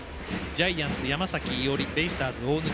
ジャイアンツ、山崎伊織ベイスターズ、大貫。